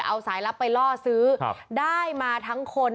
เอาสายลับไปล่อซื้อได้มาทั้งคน